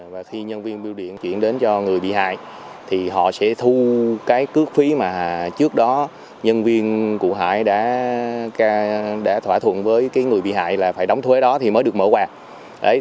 và khi nhân viên biêu điện chuyển đến cho người bị hại thì họ sẽ thu cái cước phí mà trước đó nhân viên cụ hải đã thỏa thuận với cái người bị hại là phải đóng thuế đó thì mới được mở quà